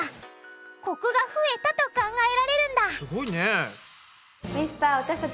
コクが増えたと考えられるんだすごいね。